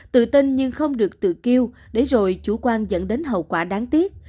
tự tin nhưng không được tự kêu để rồi chủ quan dẫn đến hậu quả đáng tiếc